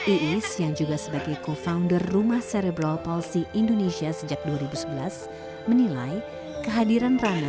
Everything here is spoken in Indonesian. iis yang juga sebagai co founder rumah cerebral policy indonesia sejak dua ribu sebelas menilai kehadiran rana